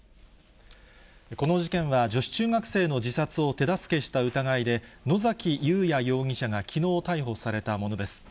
この事件は女子中学生の自殺を手助けした疑いで、野崎祐也容疑者がきのう、逮捕されたものです。